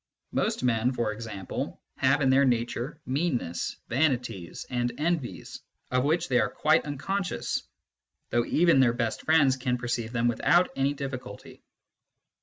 Most men, for example, have in their nature meannesses, vanities, and envies of which they are quite unconscious, though even their best friends can perceive them without any difficulty.